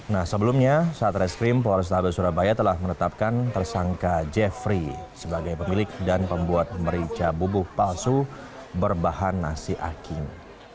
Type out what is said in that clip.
nah sebelumnya satreskrim polresta besurabaya telah menetapkan tersangka jeffrey sebagai pemilik dan pembuat merica bubuk palsu berbahan nasi aking